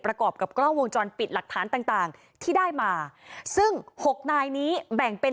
ประกอบกับกล้องวงจรปิดหลักฐานต่างที่ได้มาซึ่ง๙นายนี้แบ่งเป็น